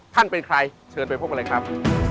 เป็นใครเชิญไปพบกันเลยครับ